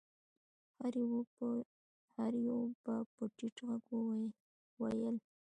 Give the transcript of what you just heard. هر يوه به په ټيټ غږ ويل.